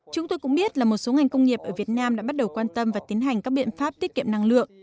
chúng tôi cũng biết là một số ngành công nghiệp ở việt nam đã bắt đầu quan tâm và tiến hành các biện pháp tiết kiệm năng lượng